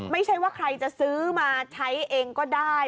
ไม่ใช่ว่าใครจะซื้อมาใช้เองก็ได้